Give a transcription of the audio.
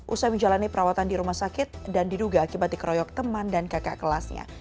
usai menjalani perawatan di rumah sakit dan diduga akibat dikeroyok teman dan kakak kelasnya